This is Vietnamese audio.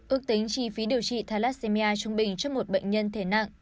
ước tính chi phí điều trị thalassemia trung bình cho một bệnh nhân thể nặng